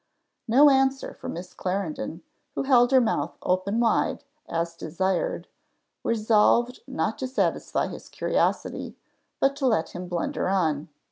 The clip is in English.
No answer from Miss Clarendon, who held her mouth open wide, as desired, resolved not to satisfy his curiosity, but to let him blunder on.